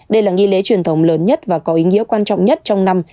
đây là nghi lễ truyền thống lớn nhất và có ý nghĩa quan trọng nhất trong năm